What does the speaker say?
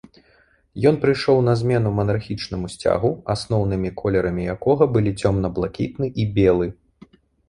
Ён прыйшоў на змену манархічнаму сцягу, асноўнымі колерамі якога былі цёмна-блакітны і белы.